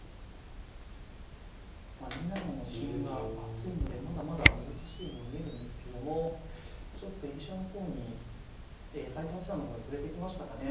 ２七の金が厚いのでまだまだ難しいようにも見えるんですけれどもちょっと居飛車の方にえ斎藤八段の方に振れてきましたかね。